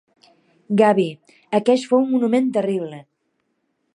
Gabby, aqueix fou un moment terrible.